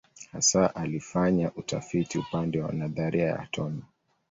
Hasa alifanya utafiti upande wa nadharia ya atomu.